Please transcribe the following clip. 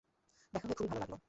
দেখা হয়ে খুবই ভালো লাগল।